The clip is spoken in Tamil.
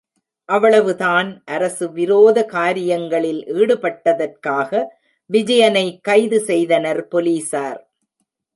அவ்வளவு தான் அரசு விரோத காரியங்களில் ஈடுபட்டதற்காக விஜயனை கைது செய்தனர் போலீசார்.